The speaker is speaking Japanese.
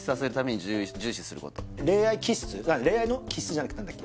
恋愛気質恋愛の気質じゃなくて何だっけ